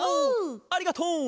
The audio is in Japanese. ありがとう！